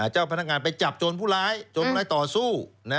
เจ้าพนักงานไปจับโจรผู้ร้ายโจรร้ายต่อสู้